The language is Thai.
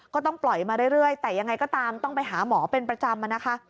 ก็ต้องปล่อยมาเรื่อยแต่ยังไงก็ตามต้องไปหาหมอเป็นประจำนะคะ